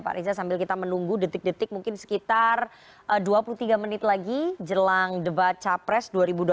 pak reza sambil kita menunggu detik detik mungkin sekitar dua puluh tiga menit lagi jelang debat capres dua ribu dua puluh empat